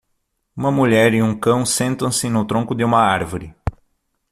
Uma mulher e um cão sentam-se no tronco de uma árvore.